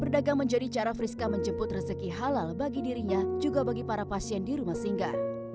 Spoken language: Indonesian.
berdagang menjadi cara friska menjemput rezeki halal bagi dirinya juga bagi para pasien di rumah singga